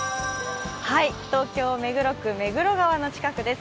東京・目黒区目黒川の近くです。